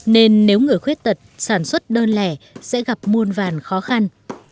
nên nếu người khuyết tật sản xuất đơn lẻ sẽ gặp muôn vàn khó khăn